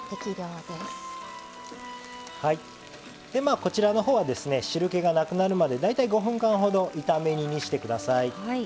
こちらのほうは汁けがなくなるまで大体５分間ほど炒め煮にしてください。